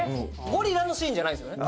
ゴリラのシーンじゃないんですよね？